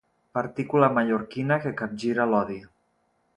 Partícula mallorquina que capgira l'odi.